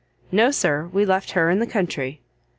"No, sir, we left her in the country."